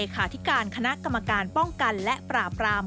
ขาธิการคณะกรรมการป้องกันและปราบราม